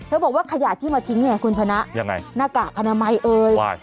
บอกว่าขยะที่มาทิ้งไงคุณชนะยังไงหน้ากากอนามัยเอ่ย